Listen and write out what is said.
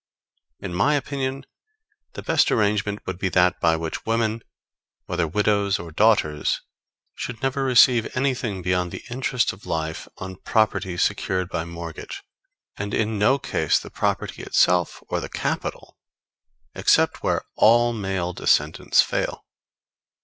In my opinion, the best arrangement would be that by which women, whether widows or daughters, should never receive anything beyond the interest for life on property secured by mortgage, and in no case the property itself, or the capital, except where all male descendants fail.